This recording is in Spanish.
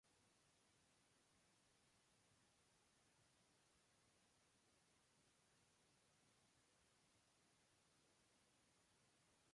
Hizo sus estudios superiores en la Pontificia Universidad Católica del Perú.